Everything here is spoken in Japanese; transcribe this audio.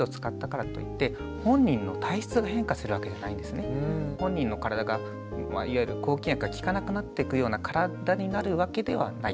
本人の体がいわゆる抗菌薬が効かなくなっていくような体になるわけではない。